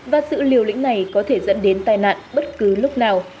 và sự liều lĩnh này có thể dẫn đến tai nạn bất cứ lúc nào